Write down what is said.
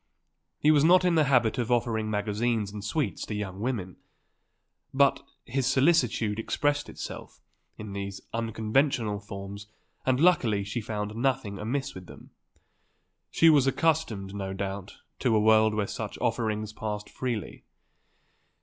He was not in the habit of offering magazines and sweets to young women. But his solicitude expressed itself in these unconventional forms and luckily she found nothing amiss with them. She was accustomed, no doubt, to a world where such offerings passed freely.